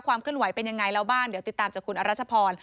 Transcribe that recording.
เคลื่อนไหวเป็นยังไงแล้วบ้างเดี๋ยวติดตามจากคุณอรัชพร